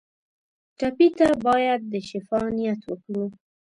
ټپي ته باید د شفا نیت وکړو.